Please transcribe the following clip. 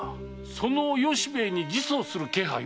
その由兵衛に自訴する気配は？